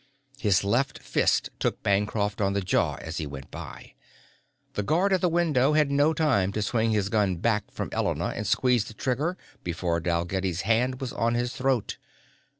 His left fist took Bancroft on the jaw as he went by. The guard at the window had no time to swing his gun back from Elena and squeeze trigger before Dalgetty's hand was on his throat.